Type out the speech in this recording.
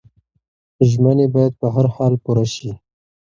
ژمنې باید په هر حال پوره شي.